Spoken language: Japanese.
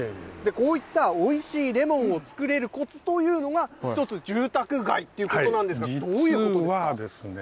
こういったおいしいレモンを作れるコツというのが、１つ、住宅街ということなんですが、どういうことですか？